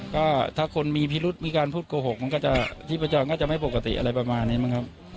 ก็ถ้าคนมีพิรุษมีการพูดโกหกมันก็จะที่ประจรก็จะไม่ปกติอะไรประมาณนี้มั้งครับ